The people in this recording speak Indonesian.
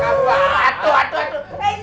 sebelum kalijaga datang kesini